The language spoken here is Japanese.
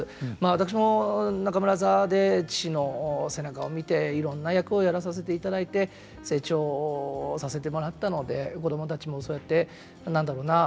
私も中村座で父の背中を見ていろんな役をやらさせていただいて成長させてもらったので子供たちもそうやって何だろうな？